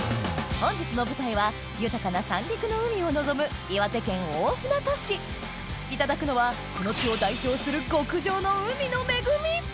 本日の舞台は豊かな三陸の海を望むいただくのはこの地を代表する極上の海の恵み！